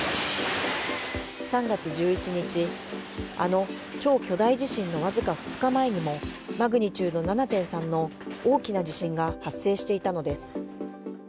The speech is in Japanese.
３月１１日、あの超巨大地震の僅か２日前にも、マグニチュード７．３の大きな地震が発生していたのです。